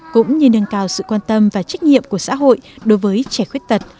cũng như nâng cao sự quan tâm và trách nhiệm của xã hội đối với trẻ khuyết tật